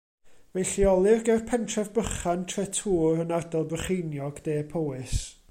Fe'i lleolir ger pentref bychan Tretŵr yn ardal Brycheiniog, de Powys.